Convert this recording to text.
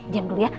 diam dulu ya